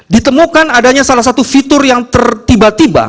ditemukan adanya salah satu fitur yang tertiba tiba